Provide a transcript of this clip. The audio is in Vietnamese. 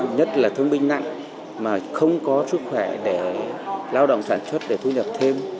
nhất là thương binh nặng mà không có sức khỏe để lao động sản xuất để thu nhập thêm